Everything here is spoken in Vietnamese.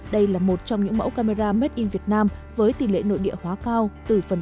đây là một cách tạo ra một hình ảnh đặc biệt